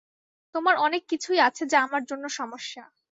তোমার অনেক কিছুই আছে যা আমার জন্য সমস্যা।